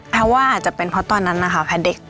ว่าอาจจะเป็นเพราะตอนนั้นนะคะแพทย์เด็ก